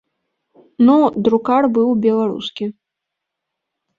Ну, друкар быў беларускі.